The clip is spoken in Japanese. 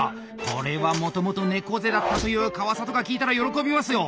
これはもともと猫背だったという川里が聞いたら喜びますよ。